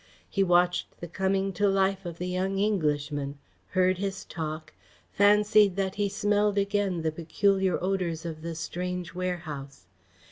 He watched the coming to life of the young Englishman, heard his talk, fancied that he smelled again the peculiar odours of that strange warehouse.